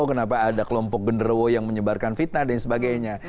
kenapa ada kelompok genderowo yang menyebarkan fitnah dan sebagainya